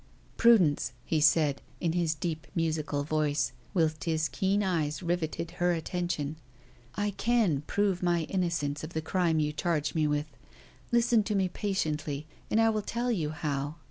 "Prudence," he said, in his deep musical voice, whilst his keen eyes riveted her attention, "I can prove my innocence of the crime you charge me with. Listen to me patiently, and I will tell you how.